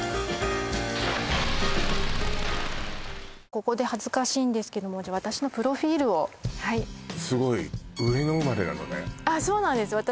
ここで恥ずかしいんですけども私のプロフィールをはいすごい上野生まれなのねあっそうなんです私